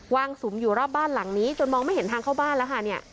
สุมอยู่รอบบ้านหลังนี้จนมองไม่เห็นทางเข้าบ้านแล้วค่ะเนี่ย